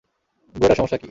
বুড়োটার সমস্যা কী?